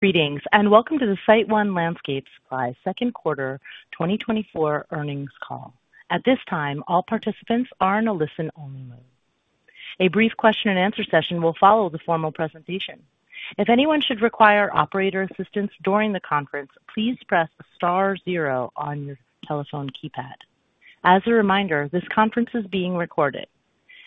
Greetings, and welcome to the SiteOne Landscape Supply Q2 2024 earnings call. At this time, all participants are in a listen-only mode. A brief question-and-answer session will follow the formal presentation. If anyone should require operator assistance during the conference, please press star zero on your telephone keypad. As a reminder, this conference is being recorded.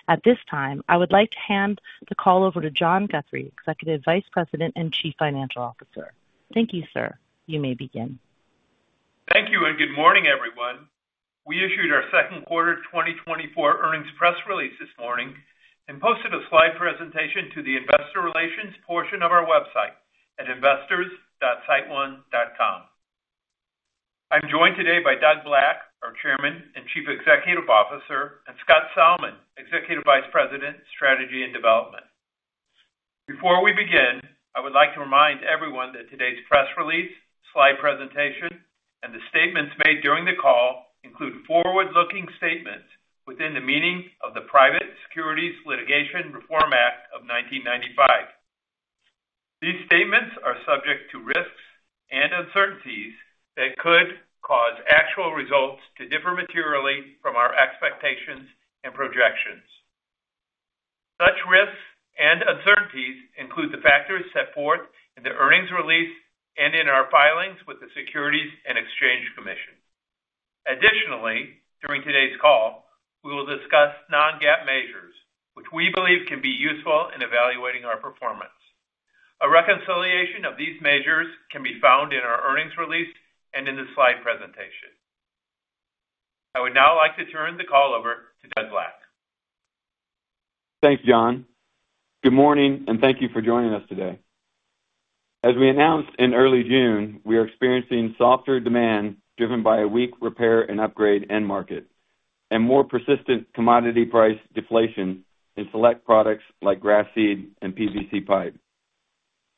At this time, I would like to hand the call over to John Guthrie, Executive Vice President and Chief Financial Officer. Thank you, sir. You may begin. Thank you, and good morning, everyone. We issued our Q2 2024 earnings press release this morning and posted a slide presentation to the investor relations portion of our website at investors.siteone.com. I'm joined today by Doug Black, our Chairman and Chief Executive Officer, and Scott Salmon, Executive Vice President, Strategy and Development. Before we begin, I would like to remind everyone that today's press release, slide presentation, and the statements made during the call include forward-looking statements within the meaning of the Private Securities Litigation Reform Act of 1995. These statements are subject to risks and uncertainties that could cause actual results to differ materially from our expectations and projections. Such risks and uncertainties include the factors set forth in the earnings release and in our filings with the Securities and Exchange Commission. Additionally, during today's call, we will discuss non-GAAP measures, which we believe can be useful in evaluating our performance. A reconciliation of these measures can be found in our earnings release and in the slide presentation. I would now like to turn the call over to Doug Black. Thanks, John. Good morning, and thank you for joining us today. As we announced in early June, we are experiencing softer demand driven by a weak repair and upgrade end market and more persistent commodity price deflation in select products like grass seed and PVC pipe.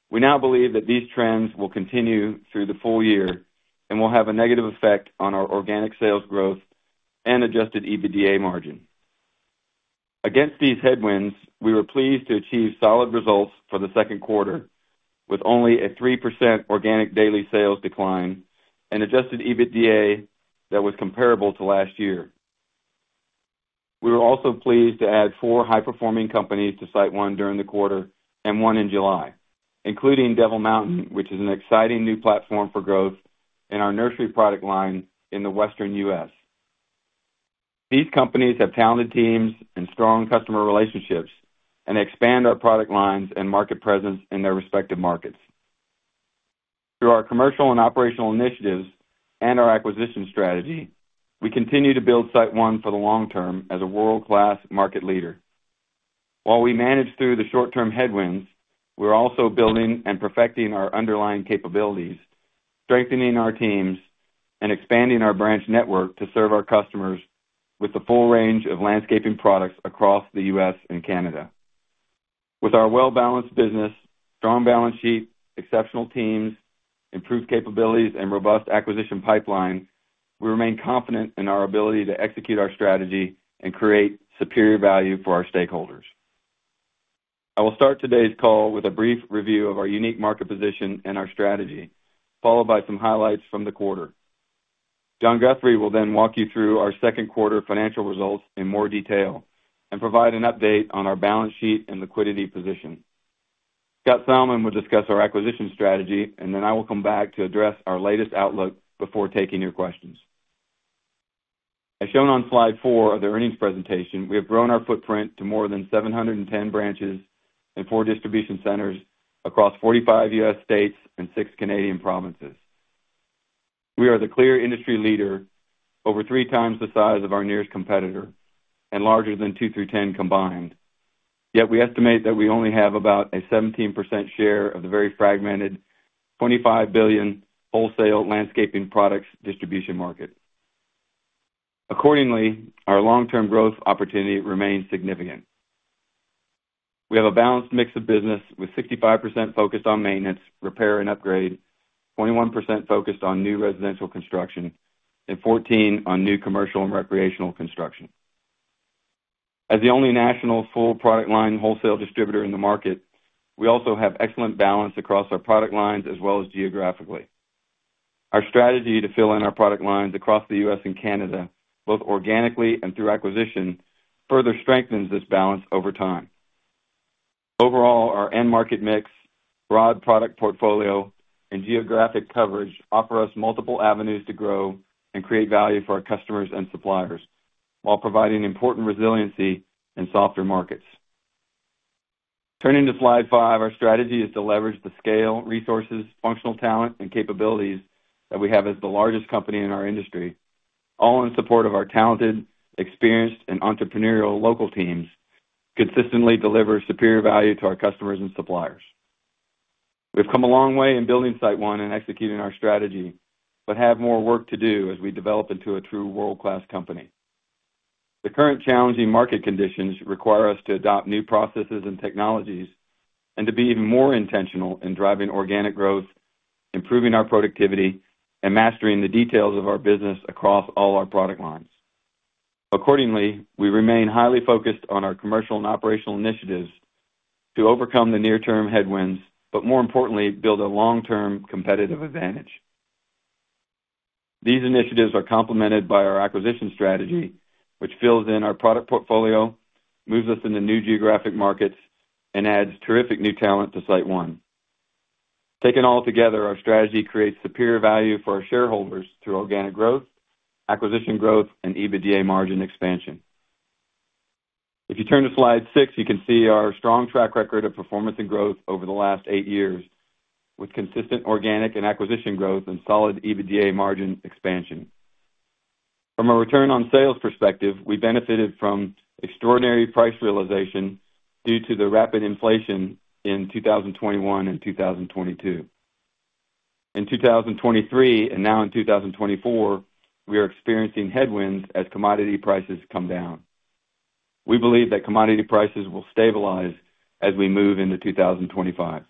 We now believe that these trends will continue through the full year and will have a negative effect on our organic sales growth and Adjusted EBITDA margin. Against these headwinds, we were pleased to achieve solid results for the Q2, with only a 3% organic daily sales decline and Adjusted EBITDA that was comparable to last year. We were also pleased to add four high-performing companies to SiteOne during the quarter and one in July, including Devil Mountain, which is an exciting new platform for growth in our nursery product line in the western U.S. These companies have talented teams and strong customer relationships and expand our product lines and market presence in their respective markets. Through our commercial and operational initiatives and our acquisition strategy, we continue to build SiteOne for the long term as a world-class market leader. While we manage through the short-term headwinds, we're also building and perfecting our underlying capabilities, strengthening our teams, and expanding our branch network to serve our customers with the full range of landscaping products across the U.S. and Canada. With our well-balanced business, strong balance sheet, exceptional teams, improved capabilities, and robust acquisition pipeline, we remain confident in our ability to execute our strategy and create superior value for our stakeholders. I will start today's call with a brief review of our unique market position and our strategy, followed by some highlights from the quarter. John Guthrie will then walk you through our Q2 financial results in more detail and provide an update on our balance sheet and liquidity position. Scott Salmon will discuss our acquisition strategy, and then I will come back to address our latest outlook before taking your questions. As shown on slide four of the earnings presentation, we have grown our footprint to more than 710 branches and four distribution centers across 45 U.S. states and 6 Canadian provinces. We are the clear industry leader, over three times the size of our nearest competitor, and larger than 2 through 10 combined. Yet we estimate that we only have about a 17% share of the very fragmented $25 billion wholesale landscaping products distribution market. Accordingly, our long-term growth opportunity remains significant. We have a balanced mix of business with 65% focused on maintenance, repair, and upgrade, 21% focused on new residential construction, and 14% on new commercial and recreational construction. As the only national full product line wholesale distributor in the market, we also have excellent balance across our product lines as well as geographically. Our strategy to fill in our product lines across the U.S. and Canada, both organically and through acquisition, further strengthens this balance over time. Overall, our end market mix, broad product portfolio, and geographic coverage offer us multiple avenues to grow and create value for our customers and suppliers while providing important resiliency in softer markets. Turning to slide five. Our strategy is to leverage the scale, resources, functional talent, and capabilities that we have as the largest company in our industry, all in support of our talented, experienced, and entrepreneurial local teams who consistently deliver superior value to our customers and suppliers. We've come a long way in building SiteOne and executing our strategy, but have more work to do as we develop into a true world-class company. The current challenging market conditions require us to adopt new processes and technologies and to be even more intentional in driving organic growth, improving our productivity, and mastering the details of our business across all our product lines. Accordingly, we remain highly focused on our commercial and operational initiatives to overcome the near-term headwinds, but more importantly, build a long-term competitive advantage. These initiatives are complemented by our acquisition strategy, which fills in our product portfolio, moves us into new geographic markets, and adds terrific new talent to SiteOne. Taken all together, our strategy creates superior value for our shareholders through organic growth, acquisition growth, and EBITDA margin expansion. If you turn to slide six, you can see our strong track record of performance and growth over the last eight years, with consistent organic and acquisition growth and solid EBITDA margin expansion. From a return on sales perspective, we benefited from extraordinary price realization due to the rapid inflation in 2021 and 2022. In 2023, and now in 2024, we are experiencing headwinds as commodity prices come down. We believe that commodity prices will stabilize as we move into 2025.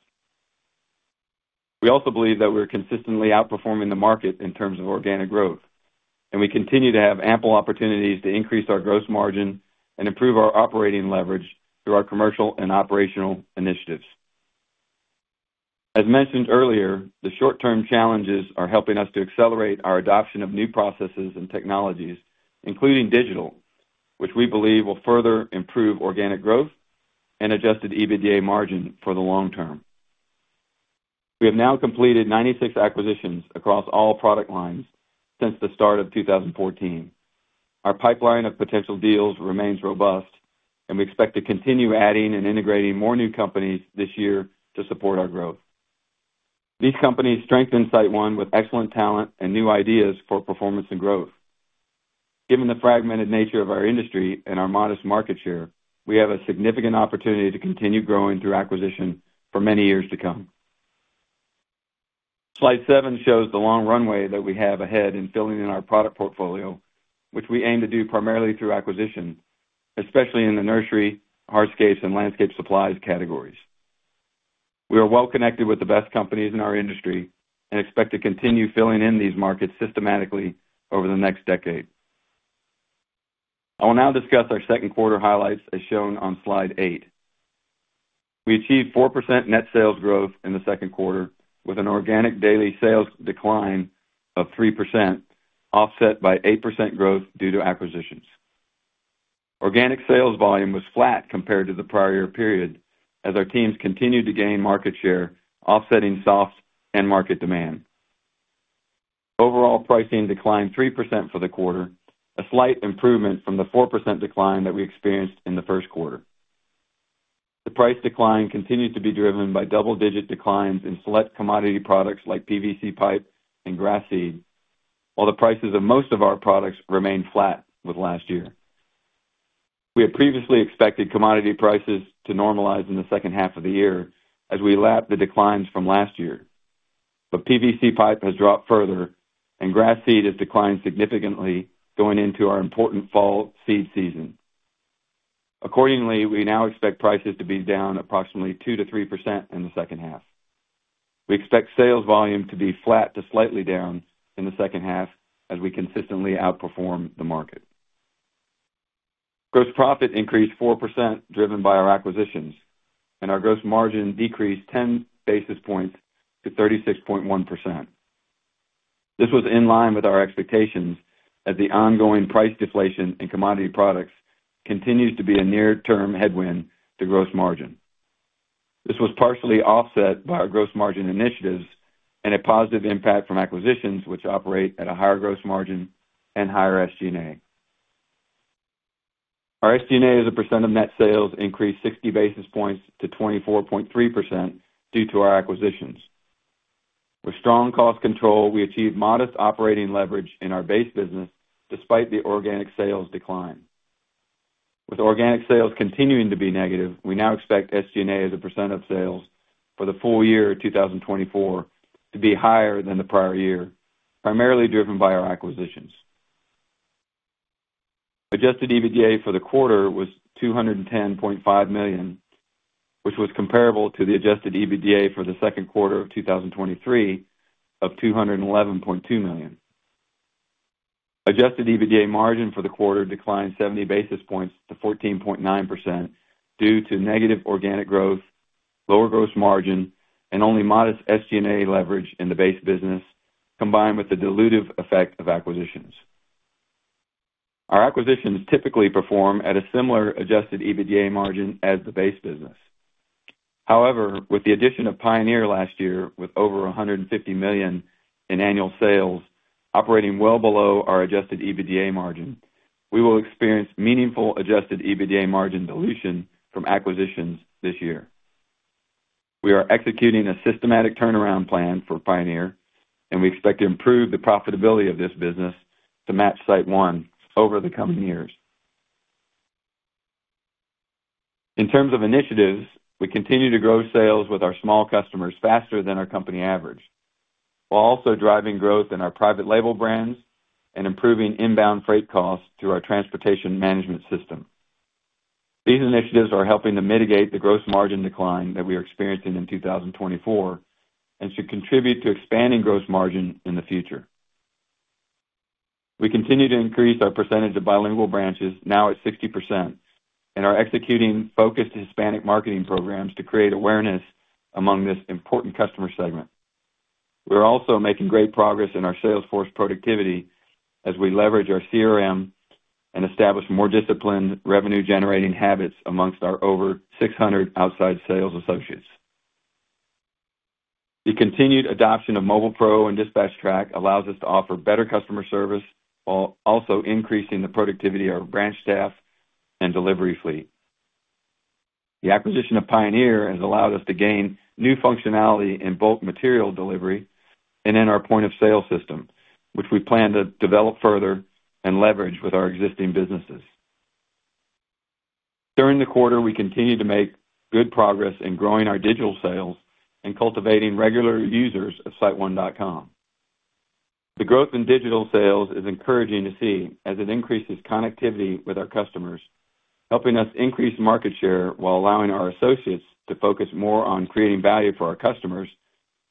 We also believe that we're consistently outperforming the market in terms of organic growth, and we continue to have ample opportunities to increase our gross margin and improve our operating leverage through our commercial and operational initiatives. As mentioned earlier, the short-term challenges are helping us to accelerate our adoption of new processes and technologies, including digital, which we believe will further improve organic growth and Adjusted EBITDA margin for the long term. We have now completed 96 acquisitions across all product lines since the start of 2014. Our pipeline of potential deals remains robust, and we expect to continue adding and integrating more new companies this year to support our growth. These companies strengthen SiteOne with excellent talent and new ideas for performance and growth. Given the fragmented nature of our industry and our modest market share, we have a significant opportunity to continue growing through acquisition for many years to come. Slide seven shows the long runway that we have ahead in filling in our product portfolio, which we aim to do primarily through acquisition, especially in the nursery, hardscapes, and landscape supplies categories. We are well connected with the best companies in our industry and expect to continue filling in these markets systematically over the next decade. I will now discuss our Q2 highlights as shown on slide eight. We achieved 4% net sales growth in the Q2, with an organic daily sales decline of 3%, offset by 8% growth due to acquisitions. Organic sales volume was flat compared to the prior period as our teams continued to gain market share, offsetting soft end market demand. Overall pricing declined 3% for the quarter, a slight improvement from the 4% decline that we experienced in the Q1. The price decline continues to be driven by double-digit declines in select commodity products like PVC pipe and grass seed, while the prices of most of our products remained flat with last year. We had previously expected commodity prices to normalize in the H2 of the year as we lapped the declines from last year, but PVC pipe has dropped further, and grass seed has declined significantly going into our important fall seed season. Accordingly, we now expect prices to be down approximately 2%-3% in the H2. We expect sales volume to be flat to slightly down in the H2 as we consistently outperform the market. Gross profit increased 4% driven by our acquisitions, and our gross margin decreased 10 basis points to 36.1%. This was in line with our expectations as the ongoing price deflation in commodity products continues to be a near-term headwind to gross margin. This was partially offset by our gross margin initiatives and a positive impact from acquisitions, which operate at a higher gross margin and higher SG&A. Our SG&A as a percent of net sales increased 60 basis points to 24.3% due to our acquisitions. With strong cost control, we achieved modest operating leverage in our base business despite the organic sales decline. With organic sales continuing to be negative, we now expect SG&A as a percent of sales for the full year 2024 to be higher than the prior year, primarily driven by our acquisitions. Adjusted EBITDA for the quarter was $210.5 million, which was comparable to the adjusted EBITDA for the Q2 of 2023 of $211.2 million. Adjusted EBITDA margin for the quarter declined 70 basis points to 14.9% due to negative organic growth, lower gross margin, and only modest SG&A leverage in the base business, combined with the dilutive effect of acquisitions. Our acquisitions typically perform at a similar adjusted EBITDA margin as the base business. However, with the addition of Pioneer last year with over $150 million in annual sales, operating well below our adjusted EBITDA margin, we will experience meaningful adjusted EBITDA margin dilution from acquisitions this year. We are executing a systematic turnaround plan for Pioneer, and we expect to improve the profitability of this business to match SiteOne over the coming years. In terms of initiatives, we continue to grow sales with our small customers faster than our company average, while also driving growth in our private label brands and improving inbound freight costs through our transportation management system. These initiatives are helping to mitigate the gross margin decline that we are experiencing in 2024 and should contribute to expanding gross margin in the future. We continue to increase our percentage of bilingual branches now at 60%, and are executing focused Hispanic marketing programs to create awareness among this important customer segment. We are also making great progress in our sales force productivity as we leverage our CRM and establish more disciplined revenue-generating habits amongst our over 600 outside sales associates. The continued adoption of MobilePro and DispatchTrack allows us to offer better customer service while also increasing the productivity of our branch staff and delivery fleet. The acquisition of Pioneer has allowed us to gain new functionality in bulk material delivery and in our point of sale system, which we plan to develop further and leverage with our existing businesses. During the quarter, we continue to make good progress in growing our digital sales and cultivating regular users of siteone.com. The growth in digital sales is encouraging to see as it increases connectivity with our customers, helping us increase market share while allowing our associates to focus more on creating value for our customers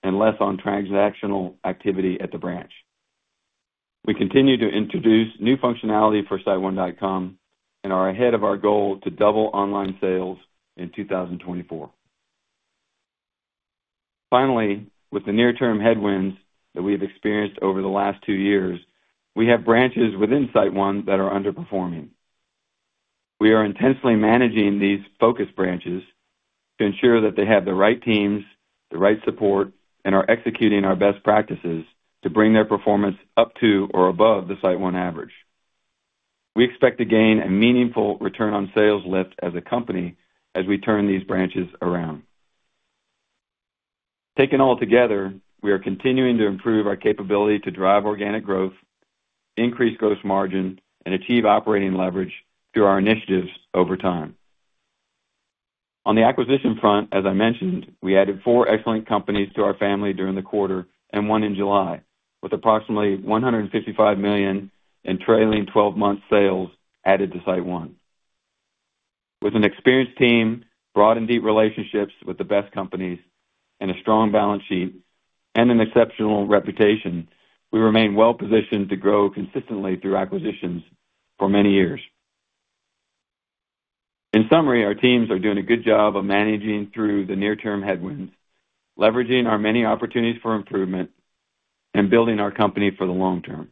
and less on transactional activity at the branch. We continue to introduce new functionality for siteone.com and are ahead of our goal to double online sales in 2024. Finally, with the near-term headwinds that we have experienced over the last two years, we have branches within SiteOne that are underperforming. We are intensely managing these focus branches to ensure that they have the right teams, the right support, and are executing our best practices to bring their performance up to or above the SiteOne average. We expect to gain a meaningful return on sales lift as a company as we turn these branches around. Taken all together, we are continuing to improve our capability to drive organic growth, increase gross margin, and achieve operating leverage through our initiatives over time. On the acquisition front, as I mentioned, we added four excellent companies to our family during the quarter and one in July, with approximately $155 million in trailing 12-month sales added to SiteOne. With an experienced team, broad and deep relationships with the best companies, and a strong balance sheet and an exceptional reputation, we remain well positioned to grow consistently through acquisitions for many years. In summary, our teams are doing a good job of managing through the near-term headwinds, leveraging our many opportunities for improvement, and building our company for the long term.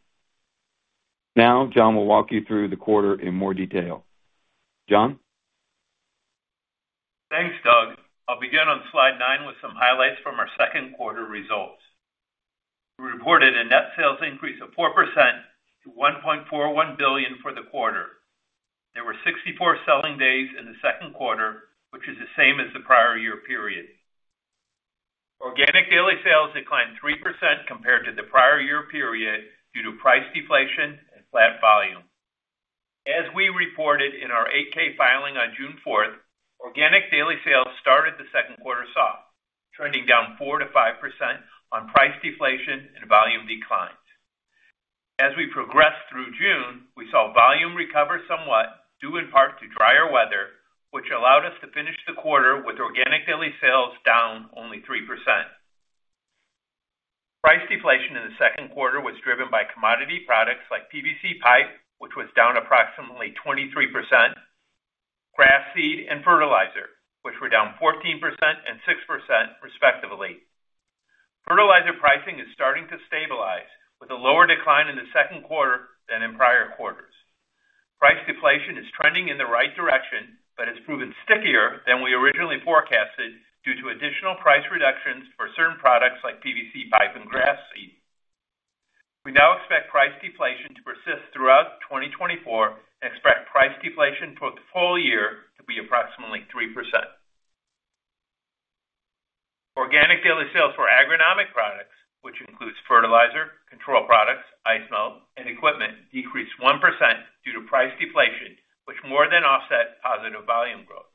Now, John will walk you through the quarter in more detail. John? Thanks, Doug. I'll begin on slide nine with some highlights from our Q2 results. We reported a net sales increase of 4% to $1.41 billion for the quarter. There were 64 selling days in the Q2, which is the same as the prior year period. Organic daily sales declined 3% compared to the prior year period due to price deflation and flat volume. As we reported in our 8-K filing on June 4th, organic daily sales started the Q2 soft, trending down 4%-5% on price deflation and volume declines. As we progressed through June, we saw volume recover somewhat due in part to drier weather, which allowed us to finish the quarter with organic daily sales down only 3%. Price deflation in the Q2 was driven by commodity products like PVC pipe, which was down approximately 23%, grass seed, and fertilizer, which were down 14% and 6% respectively. Fertilizer pricing is starting to stabilize with a lower decline in the Q2 than in prior quarters. Price deflation is trending in the right direction but has proven stickier than we originally forecasted due to additional price reductions for certain products like PVC pipe and grass seed. We now expect price deflation to persist throughout 2024 and expect price deflation for the full year to be approximately 3%. Organic daily sales for agronomic products, which includes fertilizer, control products, ice melt, and equipment, decreased 1% due to price deflation, which more than offset positive volume growth.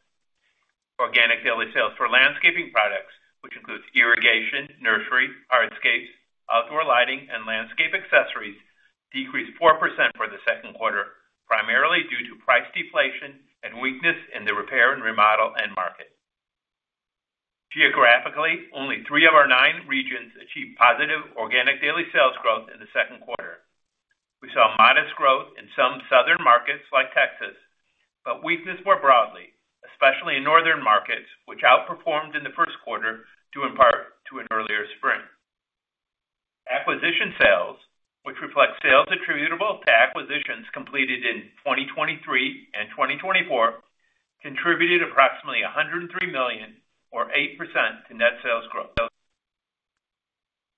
Organic daily sales for landscaping products, which includes irrigation, nursery, hardscapes, outdoor lighting, and landscape accessories, decreased 4% for the Q2, primarily due to price deflation and weakness in the repair and remodel end market. Geographically, only three of our nine regions achieved positive organic daily sales growth in the Q2. We saw modest growth in some southern markets like Texas, but weakness more broadly, especially in northern markets, which outperformed in the Q1 due in part to an earlier spring. Acquisition sales, which reflect sales attributable to acquisitions completed in 2023 and 2024, contributed approximately $103 million, or 8%, to net sales growth.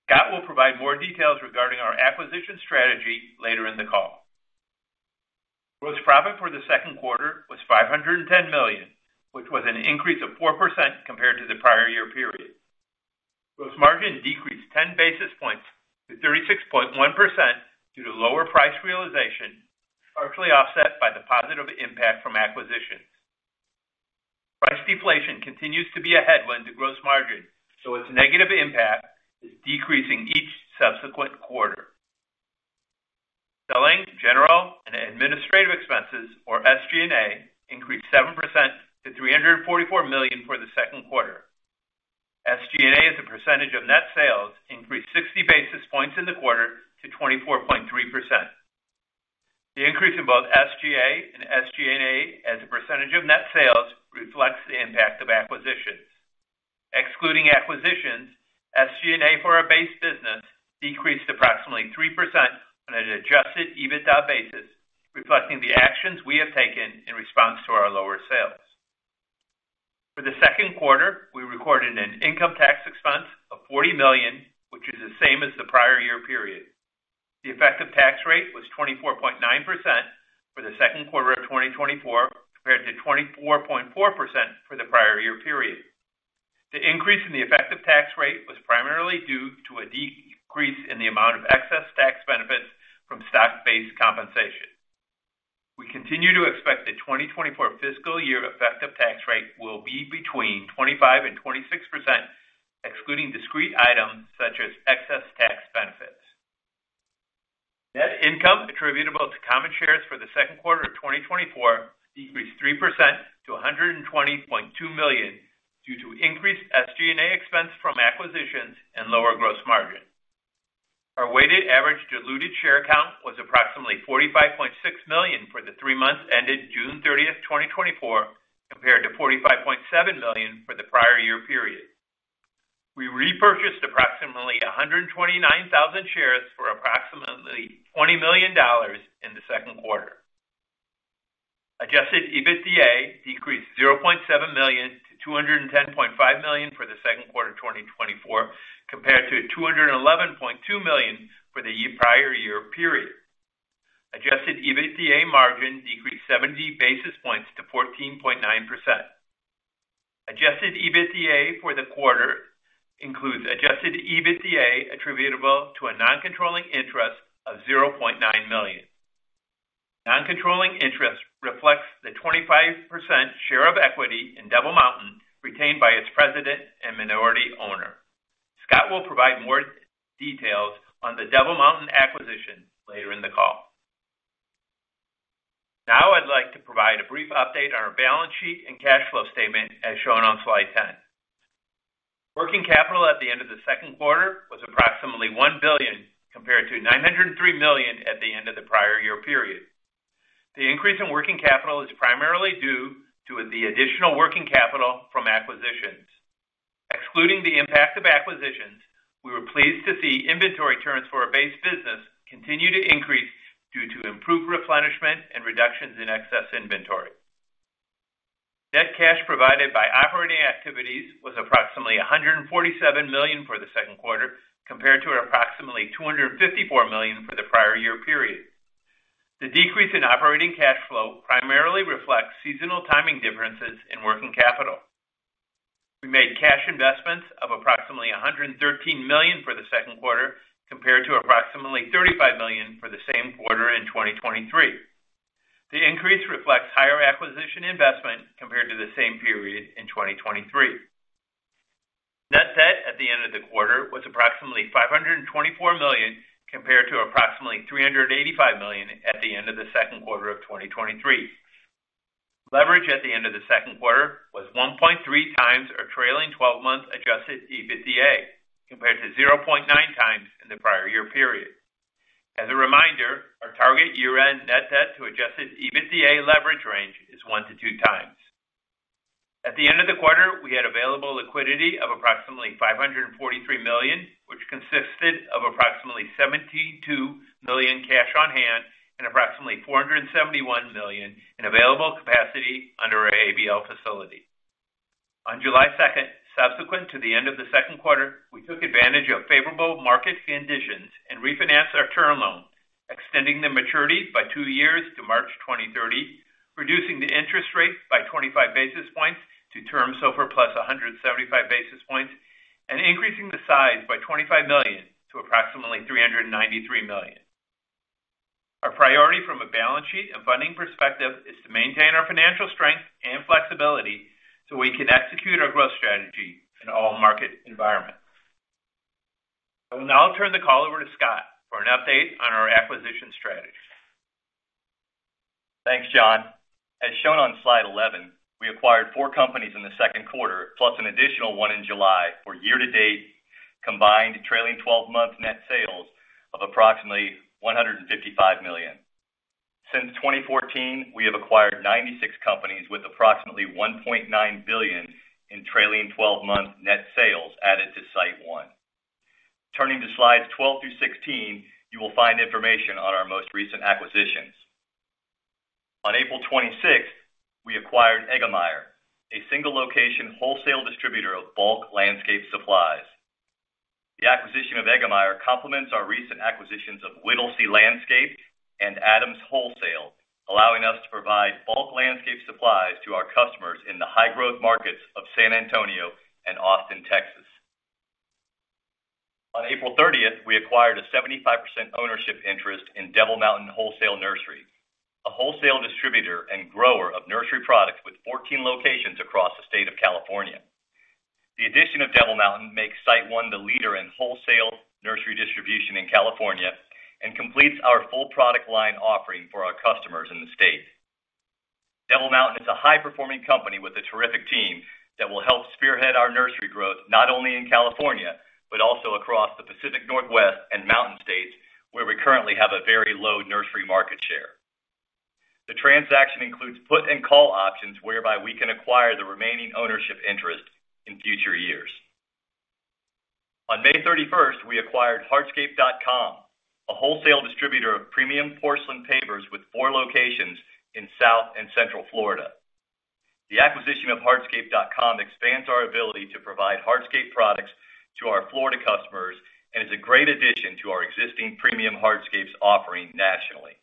Scott will provide more details regarding our acquisition strategy later in the call. Gross profit for the Q2 was $510 million, which was an increase of 4% compared to the prior year period. Gross margin decreased 10 basis points to 36.1% due to lower price realization, partially offset by the positive impact from acquisitions. Price deflation continues to be a headwind to gross margin, so its negative impact is decreasing each subsequent quarter. Selling, general, and administrative expenses, or SG&A, increased 7% to $344 million for the Q2. SG&A as a percentage of net sales increased 60 basis points in the quarter to 24.3%. The increase in both SG&A and SG&A as a percentage of net sales reflects the impact of acquisitions. Excluding acquisitions, SG&A for our base business decreased approximately 3% on an Adjusted EBITDA basis, reflecting the actions we have taken in response to our lower sales. For the Q2, we recorded an income tax expense of $40 million, which is the same as the prior year period. The effective tax rate was 24.9% for the Q2 of 2024 compared to 24.4% for the prior year period. The increase in the effective tax rate was primarily due to a decrease in the amount of excess tax benefits from stock-based compensation. We continue to expect the 2024 fiscal year effective tax rate will be between 25% and 26%, excluding discrete items such as excess tax benefits. Net income attributable to common shares for the Q2 of 2024 decreased 3% to $120.2 million due to increased SG&A expense from acquisitions and lower gross margin. Our weighted average diluted share account was approximately 45.6 million for the three months ended June 30th, 2024, compared to 45.7 million for the prior year period. We repurchased approximately 129,000 shares for approximately $20 million in the Q2. Adjusted EBITDA decreased $0.7 million to $210.5 million for the Q2 of 2024 compared to $211.2 million for the prior year period. Adjusted EBITDA margin decreased 70 basis points to 14.9%. Adjusted EBITDA for the quarter includes adjusted EBITDA attributable to a non-controlling interest of $0.9 million. Non-controlling interest reflects the 25% share of equity in Devil Mountain retained by its president and minority owner. Scott will provide more details on the Devil Mountain acquisition later in the call. Now I'd like to provide a brief update on our balance sheet and cash flow statement as shown on slide 10. Working capital at the end of the Q2 was approximately $1 billion compared to $903 million at the end of the prior year period. The increase in working capital is primarily due to the additional working capital from acquisitions. Excluding the impact of acquisitions, we were pleased to see inventory turns for our base business continue to increase due to improved replenishment and reductions in excess inventory. Net cash provided by operating activities was approximately $147 million for the Q2 compared to approximately $254 million for the prior year period. The decrease in operating cash flow primarily reflects seasonal timing differences in working capital. We made cash investments of approximately $113 million for the Q2 compared to approximately $35 million for the same quarter in 2023. The increase reflects higher acquisition investment compared to the same period in 2023. Net debt at the end of the quarter was approximately $524 million compared to approximately $385 million at the end of the Q2 of 2023. Leverage at the end of the Q2 was 1.3 times our trailing 12-month adjusted EBITDA compared to 0.9 times in the prior year period. As a reminder, our target year-end net debt to adjusted EBITDA leverage range is 1-2 times. At the end of the quarter, we had available liquidity of approximately $543 million, which consisted of approximately $72 million cash on hand and approximately $471 million in available capacity under our ABL facility. On July 2nd, subsequent to the end of the Q2, we took advantage of favorable market conditions and refinanced our term loan, extending the maturity by two years to March 2030, reducing the interest rate by 25 basis points to term SOFR plus 175 basis points, and increasing the size by $25 million to approximately $393 million. Our priority from a balance sheet and funding perspective is to maintain our financial strength and flexibility so we can execute our growth strategy in all market environments. I will now turn the call over to Scott for an update on our acquisition strategy. Thanks, John. As shown on slide 11, we acquired four companies in the Q2, plus an additional one in July for year-to-date combined trailing 12-month net sales of approximately $155 million. Since 2014, we have acquired 96 companies with approximately $1.9 billion in trailing 12-month net sales added to SiteOne. Turning to slides 12 through 16. You will find information on our most recent acquisitions. On April 26th, we acquired Eggemeyer, a single-location wholesale distributor of bulk landscape supplies. The acquisition of Eggemeyer Supply complements our recent acquisitions of Whittlesey Landscape Supplies & Recycling and Adams Wholesale Supply, allowing us to provide bulk landscape supplies to our customers in the high-growth markets of San Antonio and Austin, Texas. On April 30th, we acquired a 75% ownership interest in Devil Mountain Wholesale Nursery, a wholesale distributor and grower of nursery products with 14 locations across the state of California. The addition of Devil Mountain makes SiteOne the leader in wholesale nursery distribution in California and completes our full product line offering for our customers in the state. Devil Mountain is a high-performing company with a terrific team that will help spearhead our nursery growth not only in California but also across the Pacific Northwest and mountain states where we currently have a very low nursery market share. The transaction includes put and call options whereby we can acquire the remaining ownership interest in future years. On May 31st, we acquired Hardscape.com, a wholesale distributor of premium porcelain pavers with four locations in South and Central Florida. The acquisition of Hardscape.com expands our ability to provide hardscape products to our Florida customers and is a great addition to our existing premium hardscapes offering nationally.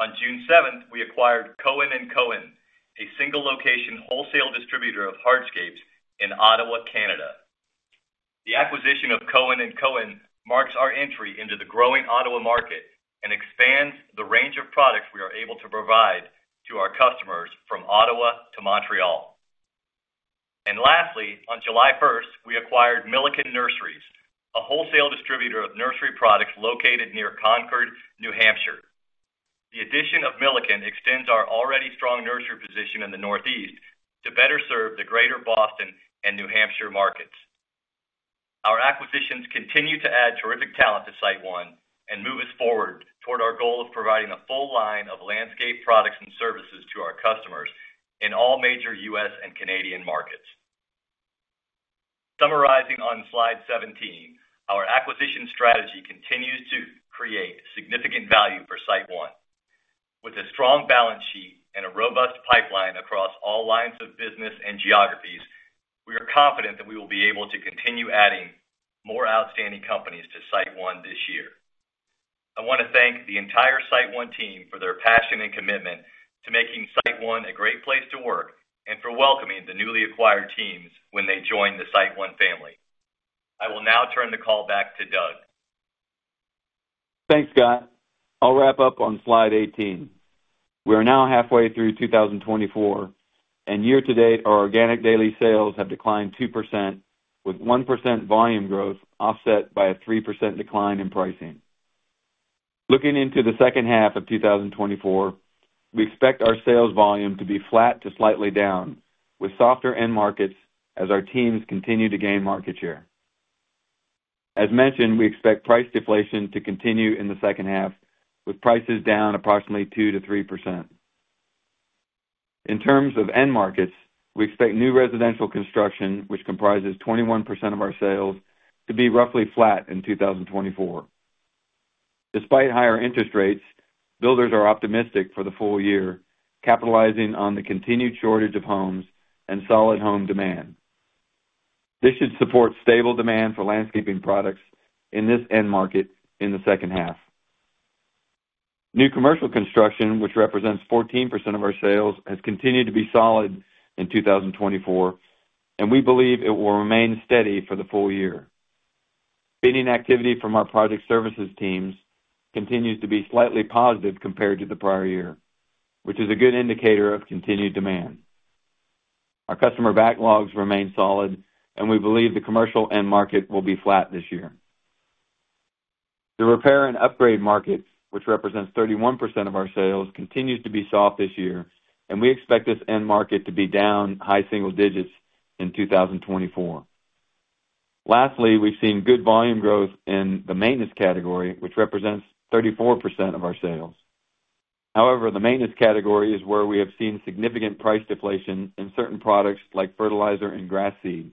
On June 7th, we acquired Cohen & Cohen, a single-location wholesale distributor of hardscapes in Ottawa, Canada. The acquisition of Cohen & Cohen marks our entry into the growing Ottawa market and expands the range of products we are able to provide to our customers from Ottawa to Montreal. Lastly, on July 1st, we acquired Millican Nurseries, a wholesale distributor of nursery products located near Concord, New Hampshire. The addition of Millican extends our already strong nursery position in the Northeast to better serve the greater Boston and New Hampshire markets. Our acquisitions continue to add terrific talent to SiteOne and move us forward toward our goal of providing a full line of landscape products and services to our customers in all major U.S. and Canadian markets. Summarizing on slide 17, our acquisition strategy continues to create significant value for SiteOne. With a strong balance sheet and a robust pipeline across all lines of business and geographies, we are confident that we will be able to continue adding more outstanding companies to SiteOne this year. I want to thank the entire SiteOne team for their passion and commitment to making SiteOne a great place to work and for welcoming the newly acquired teams when they join the SiteOne family. I will now turn the call back to Doug. Thanks, Scott. I'll wrap up on slide 18. We are now halfway through 2024, and year-to-date our organic daily sales have declined 2%, with 1% volume growth offset by a 3% decline in pricing. Looking into the H2 of 2024, we expect our sales volume to be flat to slightly down, with softer end markets as our teams continue to gain market share. As mentioned, we expect price deflation to continue in the H2, with prices down approximately 2%-3%. In terms of end markets, we expect new residential construction, which comprises 21% of our sales, to be roughly flat in 2024. Despite higher interest rates, builders are optimistic for the full year, capitalizing on the continued shortage of homes and solid home demand. This should support stable demand for landscaping products in this end market in the H2. New commercial construction, which represents 14% of our sales, has continued to be solid in 2024, and we believe it will remain steady for the full year. Bidding activity from our project services teams continues to be slightly positive compared to the prior year, which is a good indicator of continued demand. Our customer backlogs remain solid, and we believe the commercial end market will be flat this year. The repair and upgrade market, which represents 31% of our sales, continues to be soft this year, and we expect this end market to be down high single digits in 2024. Lastly, we've seen good volume growth in the maintenance category, which represents 34% of our sales. However, the maintenance category is where we have seen significant price deflation in certain products like fertilizer and grass seed.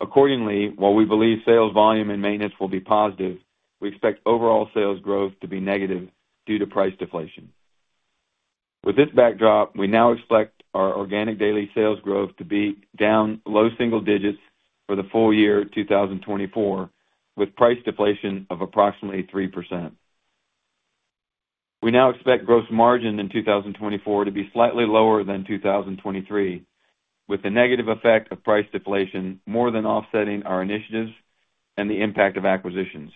Accordingly, while we believe sales volume and maintenance will be positive, we expect overall sales growth to be negative due to price deflation. With this backdrop, we now expect our organic daily sales growth to be down low single digits for the full year 2024, with price deflation of approximately 3%. We now expect gross margin in 2024 to be slightly lower than 2023, with the negative effect of price deflation more than offsetting our initiatives and the impact of acquisitions.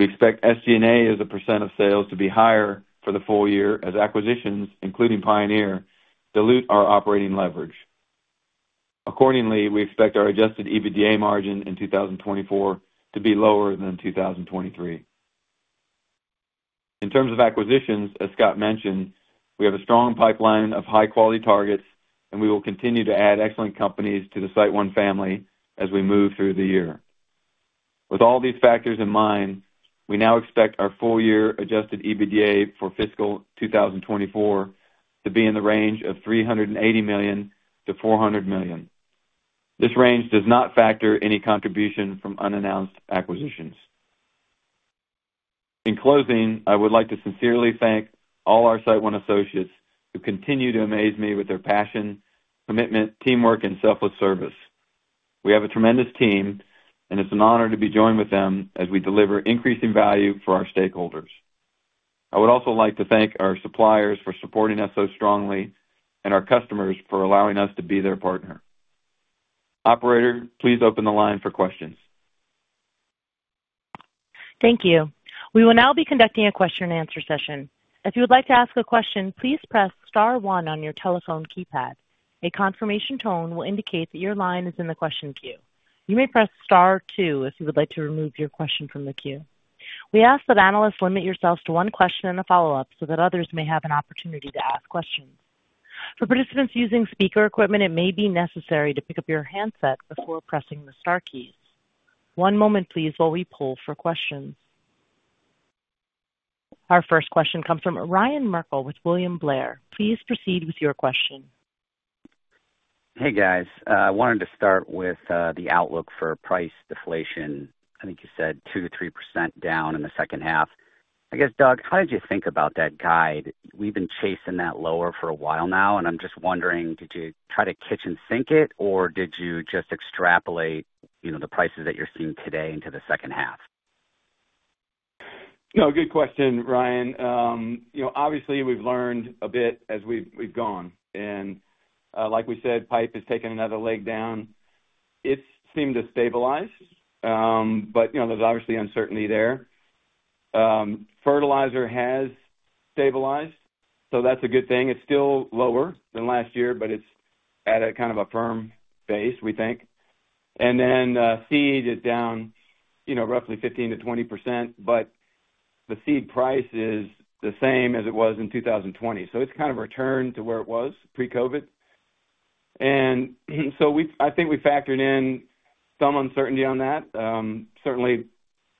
We expect SG&A as a % of sales to be higher for the full year as acquisitions, including Pioneer, dilute our operating leverage. Accordingly, we expect our Adjusted EBITDA margin in 2024 to be lower than 2023. In terms of acquisitions, as Scott mentioned, we have a strong pipeline of high-quality targets, and we will continue to add excellent companies to the SiteOne family as we move through the year. With all these factors in mind, we now expect our full-year Adjusted EBITDA for fiscal 2024 to be in the range of $380 million-$400 million. This range does not factor any contribution from unannounced acquisitions. In closing, I would like to sincerely thank all our SiteOne associates who continue to amaze me with their passion, commitment, teamwork, and selfless service. We have a tremendous team, and it's an honor to be joined with them as we deliver increasing value for our stakeholders. I would also like to thank our suppliers for supporting us so strongly and our customers for allowing us to be their partner. Operator, please open the line for questions. Thank you. We will now be conducting a question-and-answer session. If you would like to ask a question, please press star one on your telephone keypad. A confirmation tone will indicate that your line is in the question queue. You may press star two if you would like to remove your question from the queue. We ask that analysts limit yourselves to one question and a follow-up so that others may have an opportunity to ask questions. For participants using speaker equipment, it may be necessary to pick up your handset before pressing the star keys. One moment, please, while we pull for questions. Our first question comes from Ryan Merkel with William Blair. Please proceed with your question. Hey, guys. I wanted to start with the outlook for price deflation. I think you said 2%-3% down in the H2. I guess, Doug, how did you think about that guide? We've been chasing that lower for a while now, and I'm just wondering, did you try to kitchen sink it, or did you just extrapolate the prices that you're seeing today into the H2? No, good question, Ryan. Obviously, we've learned a bit as we've gone. And like we said, pipe has taken another leg down. It seemed to stabilize, but there's obviously uncertainty there. Fertilizer has stabilized, so that's a good thing. It's still lower than last year, but it's at a kind of a firm base, we think. And then seed is down roughly 15%-20%, but the seed price is the same as it was in 2020. So it's kind of returned to where it was pre-COVID. And so I think we factored in some uncertainty on that. Certainly,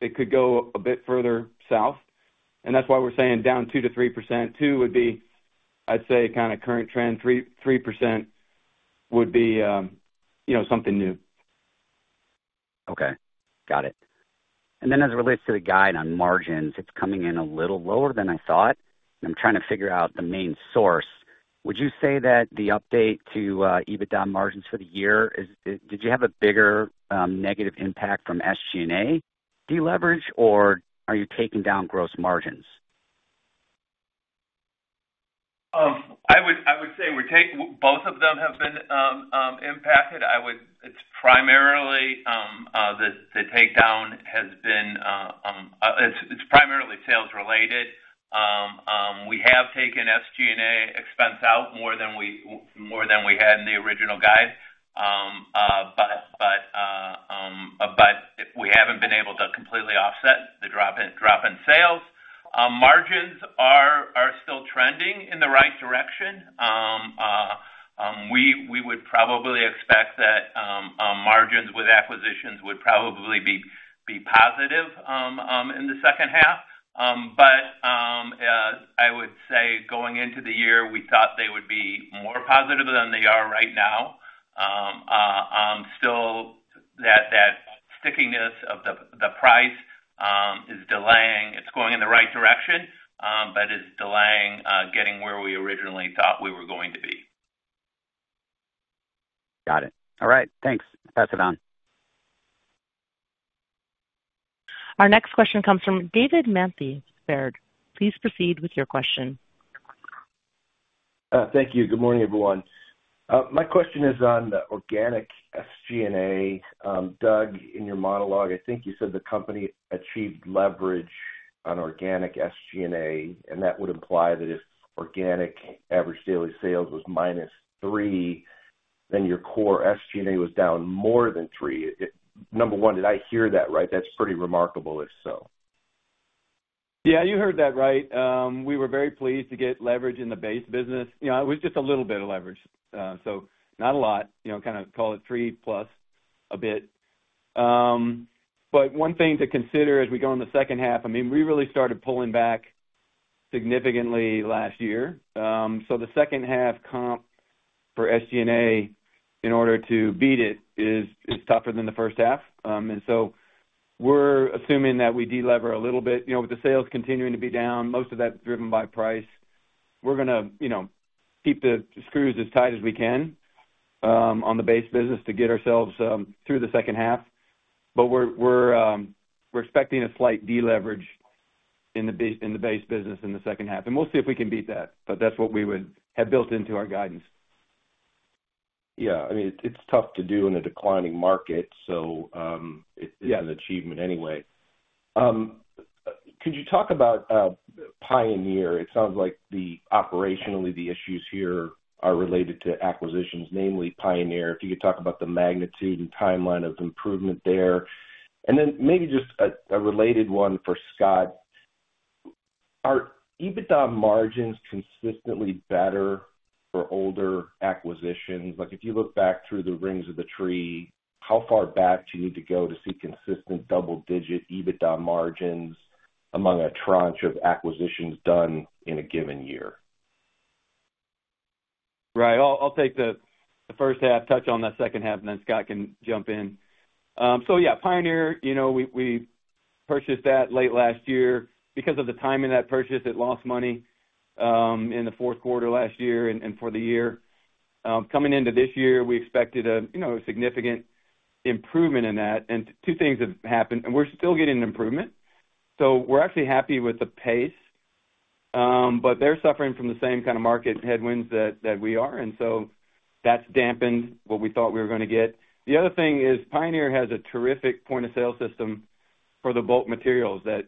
it could go a bit further south, and that's why we're saying down 2%-3%. 2 would be, I'd say, kind of current trend. 3% would be something new. Okay. Got it. And then as it relates to the guide on margins, it's coming in a little lower than I thought, and I'm trying to figure out the main source. Would you say that the update to EBITDA margins for the year did you have a bigger negative impact from SG&A deleverage, or are you taking down gross margins? I would say both of them have been impacted. It's primarily the takedown has been. It's primarily sales-related. We have taken SG&A expense out more than we had in the original guide, but we haven't been able to completely offset the drop in sales. Margins are still trending in the right direction. We would probably expect that margins with acquisitions would probably be positive in the H2. But I would say going into the year, we thought they would be more positive than they are right now. Still, that stickiness of the price is delaying, it's going in the right direction, but it's delaying getting where we originally thought we were going to be. Got it. All right. Thanks. Pass it on. Our next question comes from David Manthey. Please proceed with your question. Thank you. Good morning, everyone. My question is on the organic SG&A. Doug, in your monologue, I think you said the company achieved leverage on organic SG&A, and that would imply that if organic average daily sales was -3, then your core SG&A was down more than three. Number one, did I hear that right? That's pretty remarkable if so. Yeah, you heard that right. We were very pleased to get leverage in the base business. It was just a little bit of leverage, so not a lot. Kind of call it 3+ a bit. But one thing to consider as we go in the H2, I mean, we really started pulling back significantly last year. So the H2 comp for SG&A in order to beat it is tougher than the H1. And so we're assuming that we delever a little bit. With the sales continuing to be down, most of that's driven by price. We're going to keep the screws as tight as we can on the base business to get ourselves through the H2. But we're expecting a slight deleverage in the base business in the H2. And we'll see if we can beat that, but that's what we would have built into our guidance. Yeah. I mean, it's tough to do in a declining market, so it's an achievement anyway. Could you talk about Pioneer? It sounds like operationally the issues here are related to acquisitions, namely Pioneer. If you could talk about the magnitude and timeline of improvement there. And then maybe just a related one for Scott. Are EBITDA margins consistently better for older acquisitions? If you look back through the rings of the tree, how far back do you need to go to see consistent double-digit EBITDA margins among a tranche of acquisitions done in a given year? Right. I'll take the H1, touch on that H2, and then Scott can jump in. So yeah, Pioneer, we purchased that late last year. Because of the timing of that purchase, it lost money in the Q4 last year and for the year. Coming into this year, we expected a significant improvement in that. Two things have happened. We're still getting improvement. We're actually happy with the pace, but they're suffering from the same kind of market headwinds that we are. That's dampened what we thought we were going to get. The other thing is Pioneer has a terrific point of sale system for the bulk materials that,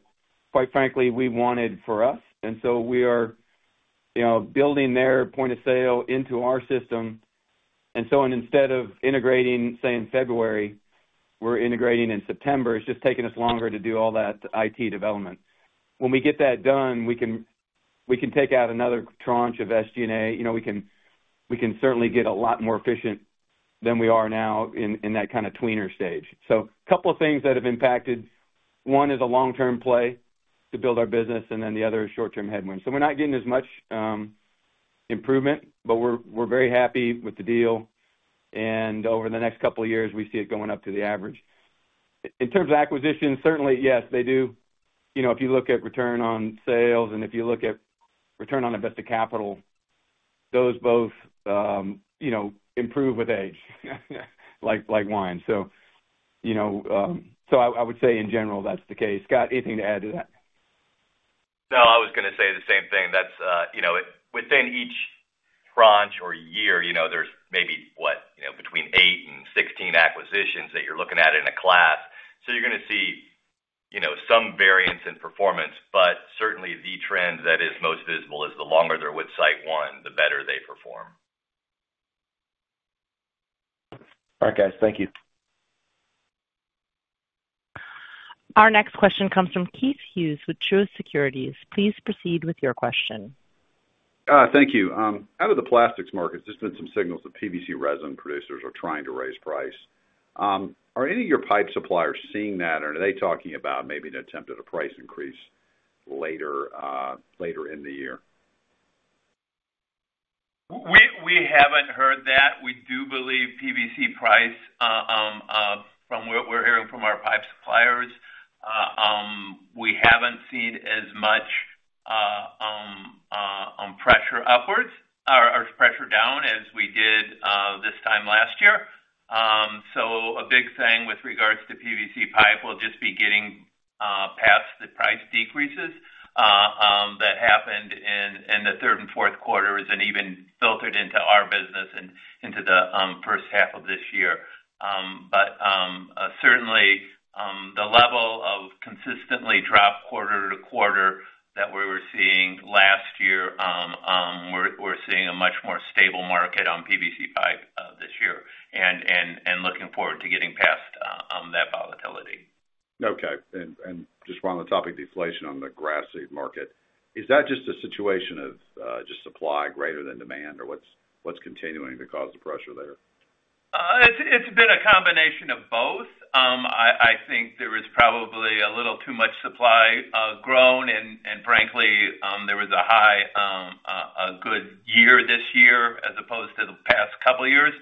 quite frankly, we wanted for us. We are building their point of sale into our system. Instead of integrating, say, in February, we're integrating in September. It's just taken us longer to do all that IT development. When we get that done, we can take out another tranche of SG&A. We can certainly get a lot more efficient than we are now in that kind of tweener stage. A couple of things that have impacted. One is a long-term play to build our business, and then the other is short-term headwinds. So we're not getting as much improvement, but we're very happy with the deal. And over the next couple of years, we see it going up to the average. In terms of acquisitions, certainly, yes, they do. If you look at return on sales and if you look at return on invested capital, those both improve with age, like wine. So I would say, in general, that's the case. Scott, anything to add to that? No, I was going to say the same thing. Within each tranche or year, there's maybe, what, between 8 and 16 acquisitions that you're looking at in a class. So you're going to see some variance in performance, but certainly the trend that is most visible is the longer they're with SiteOne, the better they perform. All right, guys. Thank you. Our next question comes from Keith Hughes with Truist Securities. Please proceed with your question. Thank you. Out of the plastics market, there's just been some signals that PVC resin producers are trying to raise price. Are any of your pipe suppliers seeing that, or are they talking about maybe an attempt at a price increase later in the year? We haven't heard that. We do believe PVC price, from what we're hearing from our pipe suppliers, we haven't seen as much pressure upwards or pressure down as we did this time last year. So a big thing with regards to PVC pipe will just be getting past the price decreases that happened in the third and Q4s and even filtered into our business and into the H1 of this year. But certainly, the level consistently dropped quarter-over-quarter that we were seeing last year. We're seeing a much more stable market on PVC pipe this year and looking forward to getting past that volatility. Okay. And just around the topic of deflation on the grass seed market, is that just a situation of just supply greater than demand, or what's continuing to cause the pressure there? It's been a combination of both. I think there was probably a little too much supply grown. And frankly, there was a good year this year as opposed to the past couple of years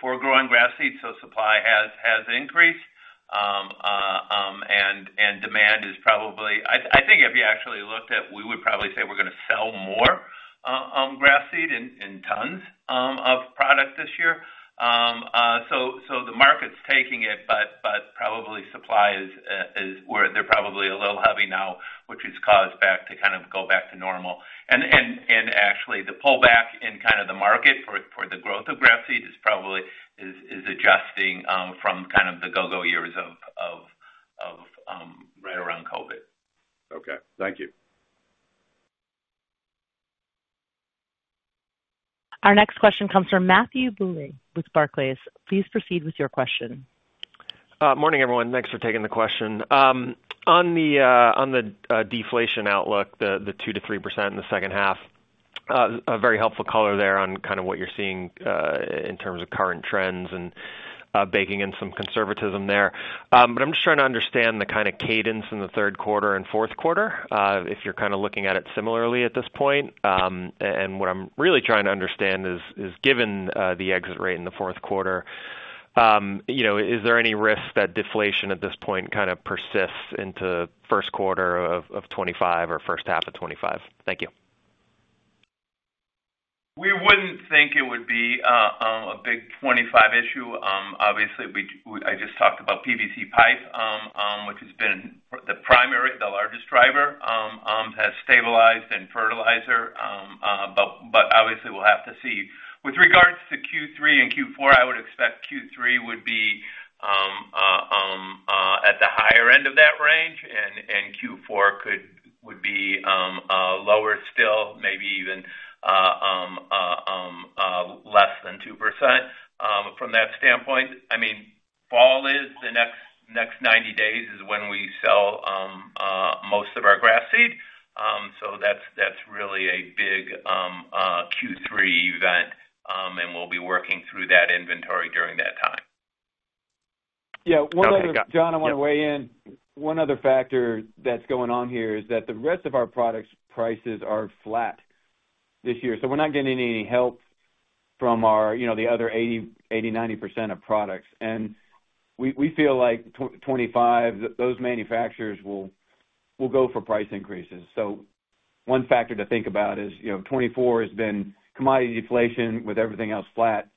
for growing grass seeds. So supply has increased, and demand is probably—I think if you actually looked at it, we would probably say we're going to sell more grass seed in tons of product this year. So the market's taking it, but probably supply is—they're probably a little heavy now, which has caused back to kind of go back to normal. And actually, the pullback in kind of the market for the growth of grass seed is probably adjusting from kind of the go-go years of right around COVID. Okay. Thank you. Our next question comes from Matthew Bouley with Barclays. Please proceed with your question. Morning, everyone. Thanks for taking the question. On the deflation outlook, the 2% to 3% in the H2, a very helpful color there on kind of what you're seeing in terms of current trends and baking in some conservatism there. But I'm just trying to understand the kind of cadence in the Q3 and Q4 if you're kind of looking at it similarly at this point. What I'm really trying to understand is, given the exit rate in the Q4, is there any risk that deflation at this point kind of persists into Q1 of 2025 or H1 of 2025? Thank you. We wouldn't think it would be a big 2025 issue. Obviously, I just talked about PVC pipe, which has been the primary, the largest driver, has stabilized in fertilizer. But obviously, we'll have to see. With regards to Q3 and Q4, I would expect Q3 would be at the higher end of that range, and Q4 would be lower still, maybe even less than 2% from that standpoint. I mean, fall is the next 90 days is when we sell most of our grass seed. So that's really a big Q3 event, and we'll be working through that inventory during that time. Yeah. One other, John, I want to weigh in. One other factor that's going on here is that the rest of our products' prices are flat this year. So we're not getting any help from the other 80%-90% of products. And we feel like 2025, those manufacturers will go for price increases. So one factor to think about is 2024 has been commodity deflation with everything else flat.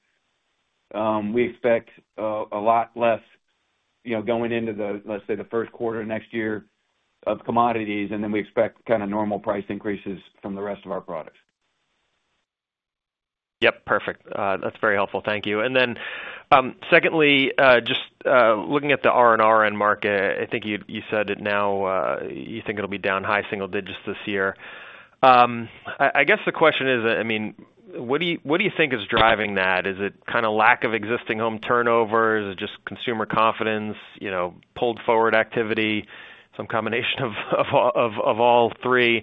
We expect a lot less going into the, let's say, the Q1 next year of commodities, and then we expect kind of normal price increases from the rest of our products. Yep. Perfect. That's very helpful. Thank you. And then secondly, just looking at the R&R end market, I think you said it now, you think it'll be down high single digits this year. I guess the question is, I mean, what do you think is driving that? Is it kind of lack of existing home turnovers? Is it just consumer confidence, pulled-forward activity, some combination of all three?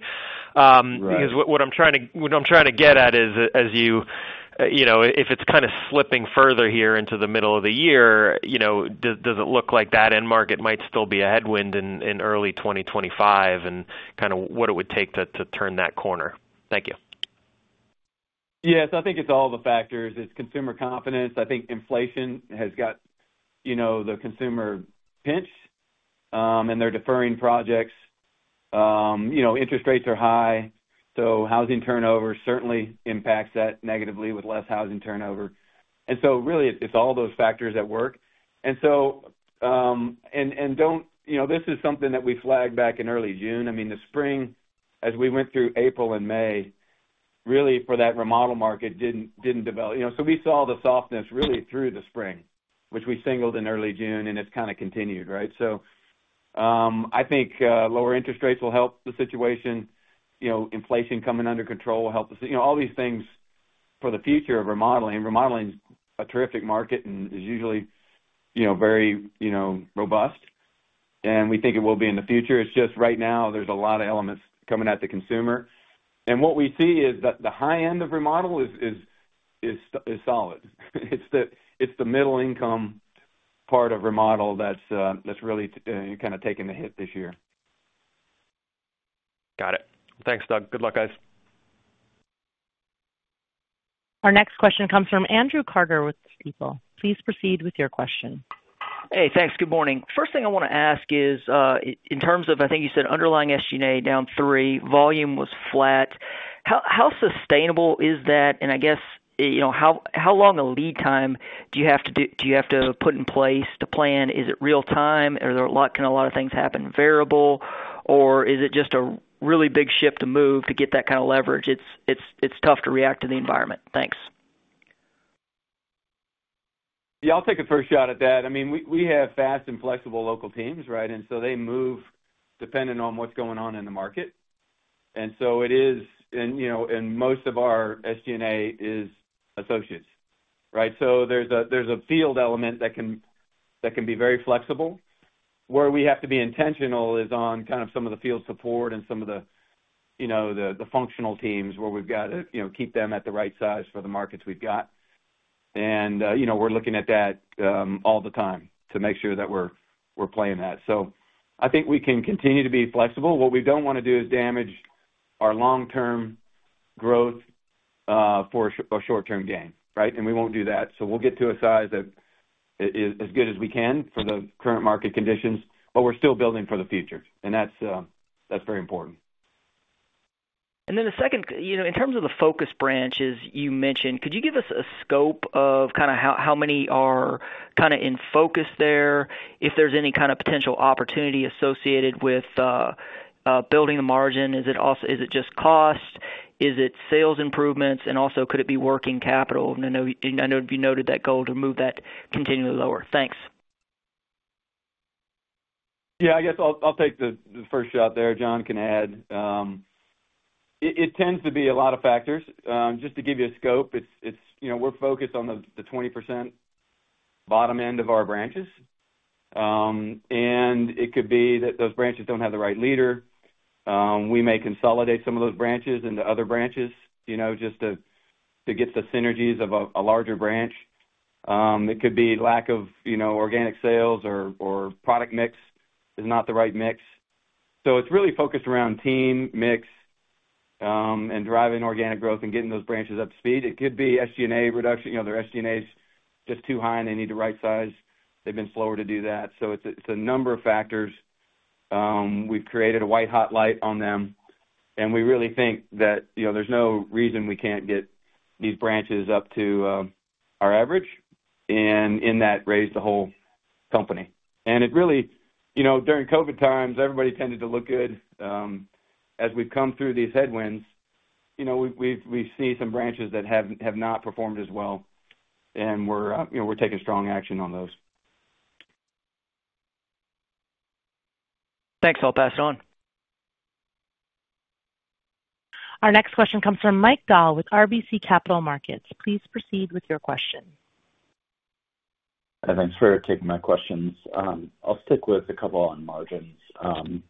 Because what I'm trying to—what I'm trying to get at is, as you—if it's kind of slipping further here into the middle of the year, does it look like that end market might still be a headwind in early 2025 and kind of what it would take to turn that corner? Thank you. Yes. I think it's all the factors. It's consumer confidence. I think inflation has got the consumer pinched, and they're deferring projects. Interest rates are high. So housing turnover certainly impacts that negatively with less housing turnover. And so really, it's all those factors at work. And so—and don't—this is something that we flagged back in early June. I mean, the spring, as we went through April and May, really for that remodel market didn't develop. So we saw the softness really through the spring, which we signaled in early June, and it's kind of continued, right? So I think lower interest rates will help the situation. Inflation coming under control will help the, all these things for the future of remodeling. Remodeling is a terrific market and is usually very robust. And we think it will be in the future. It's just right now, there's a lot of elements coming at the consumer. And what we see is that the high end of remodel is solid. It's the middle-income part of remodel that's really kind of taken a hit this year. Got it. Thanks, Doug. Good luck, guys. Our next question comes from Andrew Carter with Stifel. Please proceed with your question. Hey, thanks. Good morning. First thing I want to ask is, in terms of. I think you said underlying SG&A down three, volume was flat. How sustainable is that? And I guess, how long a lead time do you have to put in place to plan? Is it real-time? Are there a lot—can a lot of things happen variably? Or is it just a really big ship to move to get that kind of leverage? It's tough to react to the environment. Thanks. Yeah. I'll take a first shot at that. I mean, we have fast and flexible local teams, right? And so they move depending on what's going on in the market. And so it is, and most of our SG&A is associates, right? So there's a field element that can be very flexible. Where we have to be intentional is on kind of some of the field support and some of the functional teams where we've got to keep them at the right size for the markets we've got. We're looking at that all the time to make sure that we're playing that. So I think we can continue to be flexible. What we don't want to do is damage our long-term growth for a short-term gain, right? And we won't do that. So we'll get to a size that is as good as we can for the current market conditions, but we're still building for the future. And that's very important. And then the second, in terms of the focus branches you mentioned, could you give us a scope of kind of how many are kind of in focus there? If there's any kind of potential opportunity associated with building the margin, is it just cost? Is it sales improvements? And also, could it be working capital? And I know you noted that goal to move that continually lower. Thanks. Yeah. I guess I'll take the first shot there. John can add. It tends to be a lot of factors. Just to give you a scope, we're focused on the 20% bottom end of our branches. It could be that those branches don't have the right leader. We may consolidate some of those branches into other branches just to get the synergies of a larger branch. It could be lack of organic sales or product mix is not the right mix. It's really focused around team mix and driving organic growth and getting those branches up to speed. It could be SG&A reduction. Their SG&A is just too high, and they need the right size. They've been slower to do that. It's a number of factors. We've created a white hot light on them, and we really think that there's no reason we can't get these branches up to our average. And in that, raise the whole company. And it really, during COVID times, everybody tended to look good. As we've come through these headwinds, we've seen some branches that have not performed as well, and we're taking strong action on those. Thanks. I'll pass it on. Our next question comes from Mike Dahl with RBC Capital Markets. Please proceed with your question. Thanks for taking my questions. I'll stick with a couple on margins. I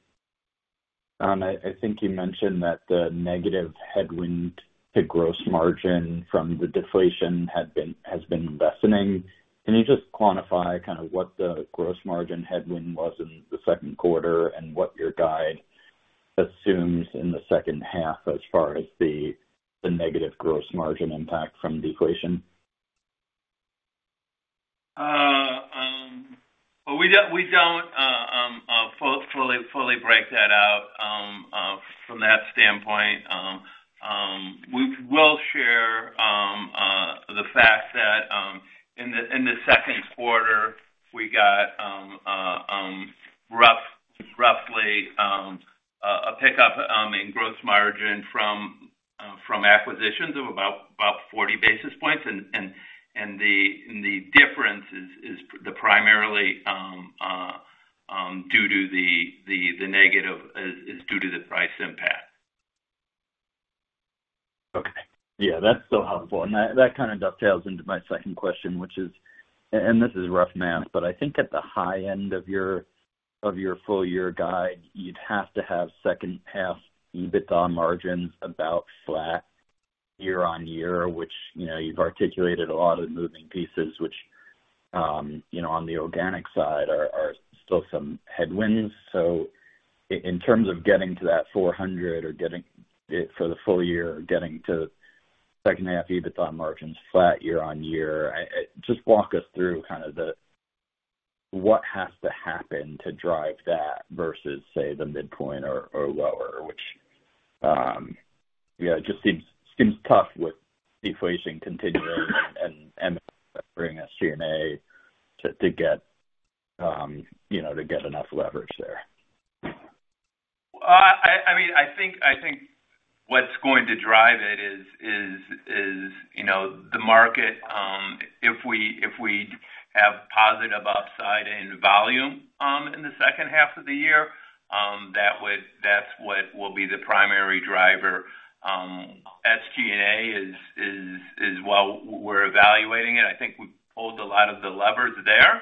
think you mentioned that the negative headwind to gross margin from the deflation has been lessening. Can you just quantify kind of what the gross margin headwind was in the Q2 and what your guide assumes in the H2 as far as the negative gross margin impact from deflation? Well, we don't fully break that out from that standpoint. We will share the fact that in the Q2, we got roughly a pickup in gross margin from acquisitions of about 40 basis points. And the difference is primarily due to the negative is due to the price impact. Okay. Yeah. That's so helpful. And that kind of dovetails into my second question, which is - and this is rough math - but I think at the high end of your full-year guide, you'd have to have second-half EBITDA margins about flat year-over-year, which you've articulated a lot of moving pieces, which on the organic side are still some headwinds. So in terms of getting to that 400 or getting it for the full year or getting to second-half EBITDA margins flat year-over-year, just walk us through kind of what has to happen to drive that versus, say, the midpoint or lower, which, yeah, it just seems tough with deflation continuing and bringing SG&A to get enough leverage there. I mean, I think what's going to drive it is the market. If we have positive upside in volume in the H2 of the year, that's what will be the primary driver. SG&A is while we're evaluating it, I think we've pulled a lot of the levers there.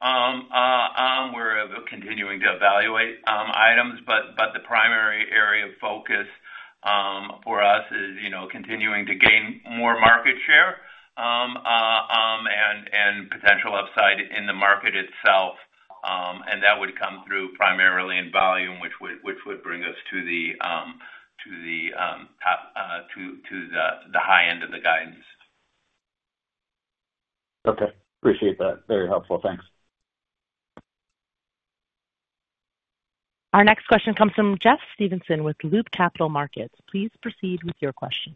We're continuing to evaluate items, but the primary area of focus for us is continuing to gain more market share and potential upside in the market itself. And that would come through primarily in volume, which would bring us to the top, to the high end of the guidance. Okay. Appreciate that. Very helpful. Thanks. Our next question comes from Jeff Stevenson with Loop Capital Markets. Please proceed with your question.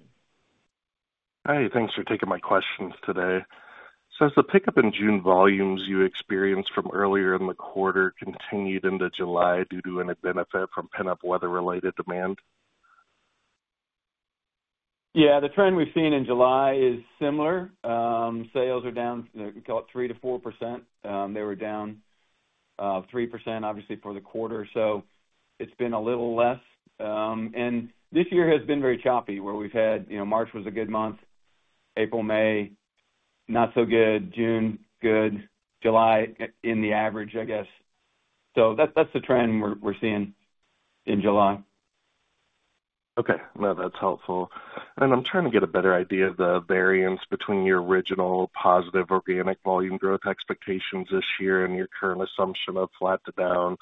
Hey, thanks for taking my questions today. So has the pickup in June volumes you experienced from earlier in the quarter continued into July due to any benefit from bump-up weather- related demand? Yeah. The trend we've seen in July is similar. Sales are down, call it 3%-4%. They were down 3%, obviously, for the quarter. So it's been a little less. And this year has been very choppy, where we've had March was a good month, April, May, not so good, June, good, July in the average, I guess. So that's the trend we're seeing in July. Okay. No, that's helpful. I'm trying to get a better idea of the variance between your original positive organic volume growth expectations this year and your current assumption of flat to down,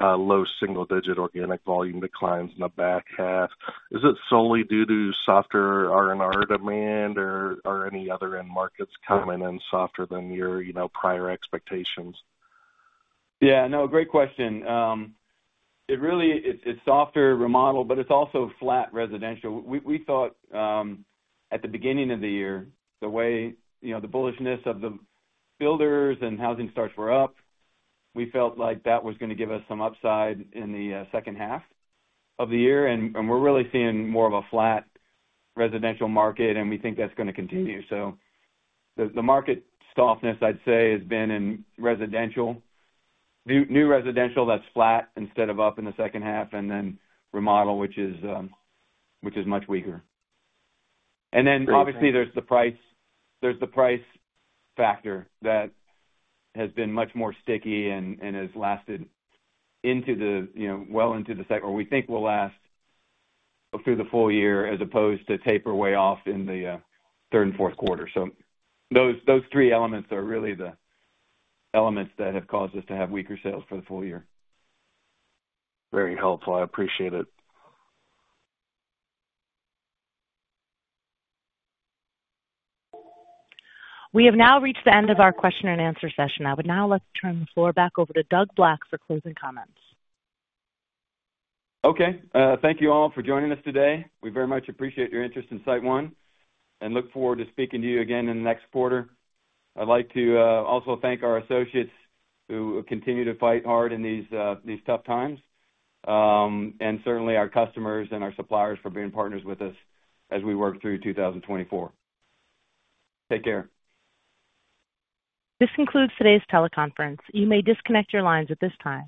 low single-digit organic volume declines in the back half. Is it solely due to softer R&R demand, or are any other end markets coming in softer than your prior expectations? Yeah. No, great question. It's softer remodel, but it's also flat residential. We thought at the beginning of the year, the way the bullishness of the builders and housing starts were up, we felt like that was going to give us some upside in the H2 of the year. We're really seeing more of a flat residential market, and we think that's going to continue. So the market softness, I'd say, has been in new residential that's flat instead of up in the H2, and then remodel, which is much weaker. And then obviously, there's the price factor that has been much more sticky and has lasted well into the cycle, or we think will last through the full year as opposed to taper way off in the third and Q4. So those three elements are really the elements that have caused us to have weaker sales for the full year. Very helpful. I appreciate it. We have now reached the end of our question and answer session. I would now like to turn the floor back over to Doug Black for closing comments. Okay. Thank you all for joining us today. We very much appreciate your interest in SiteOne and look forward to speaking to you again in the next quarter. I'd like to also thank our associates who continue to fight hard in these tough times, and certainly our customers and our suppliers for being partners with us as we work through 2024. Take care. This concludes today's teleconference. You may disconnect your lines at this time.